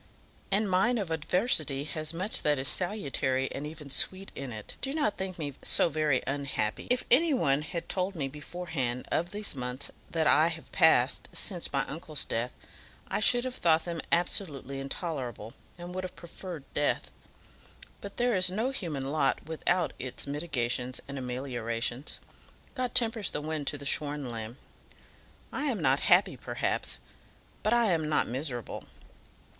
"And mine of adversity has much that is salutary and even sweet in it. Do not think me so very unhappy. If any one had told me beforehand of these months that I have passed since my uncle's death, I should have thought them absolutely intolerable, and would have preferred death. But there is no human lot without its mitigations and ameliorations. God tempers the wind to the shorn lamb. I am not happy, perhaps; but I am not miserable.